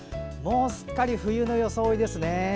すっかり冬の装いですね。